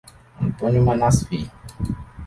Antônio Manasfi